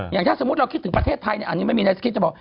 อย่างถ้าสมมุติเราคิดถึงประเทศไทยอันนี้ไม่มีในคิดเฉพาะ